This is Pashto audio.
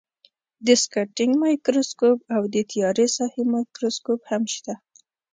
دیسکټینګ مایکروسکوپ او د تیارې ساحې مایکروسکوپ هم شته.